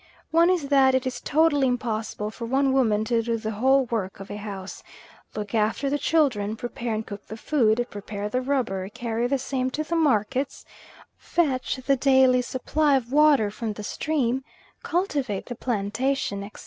One is that it is totally impossible for one woman to do the whole work of a house look after the children, prepare and cook the food, prepare the rubber, carry the same to the markets, fetch the daily supply of water from the stream, cultivate the plantation, etc.